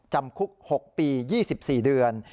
จำคุก๖ปี๒๔เดือน